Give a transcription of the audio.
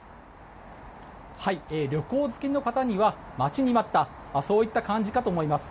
旅行好きの方には待ちに待ったそういった感じかと思います。